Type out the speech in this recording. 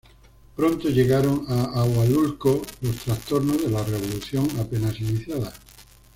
Pronto llegaron a Ahualulco los trastornos de la Revolución apenas iniciada.